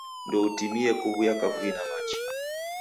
Ndoutimie kuw'uya kavui na machi.